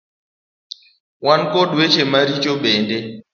Wan koda weche maricho bende.